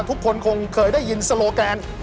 ทุกคนคงเคยได้ยินสโลแกน